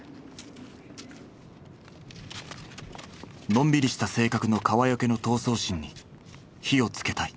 のんびりした性格の川除の闘争心に火をつけたい。